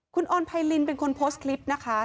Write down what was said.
คุณออนไพรินเป็นคนโพสต์คลิปนะคะ